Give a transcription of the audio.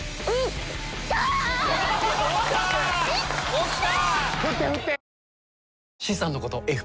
起きた！